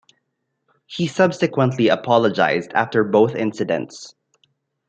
He subsequently apologized after both incidents.